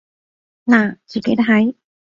嗱，自己睇